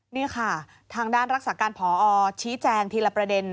นี่ค่ะทางด้านรักษาการพอชี้แจงทีละประเด็น